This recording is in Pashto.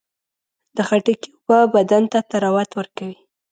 د خټکي اوبه بدن ته طراوت ورکوي.